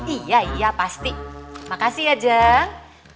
iya iya pasti makasih makasih ya jeng